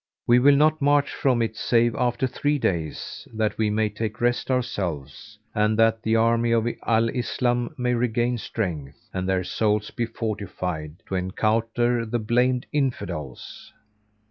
We will not march from it save after three days, that we may take rest ourselves and that the army of Al Islam may regain strength and their souls be fortified to encounter the blamed Infidels."